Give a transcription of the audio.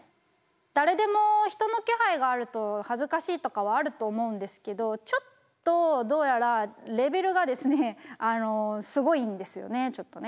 誰でも人の気配があると恥ずかしいとかはあると思うんですけどちょっとどうやらレベルがですねすごいんですよねちょっとね。